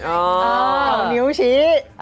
เอานิ้วชี้